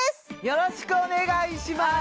よろしくお願いします